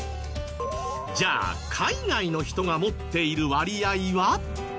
じゃあ海外の人が持っている割合は？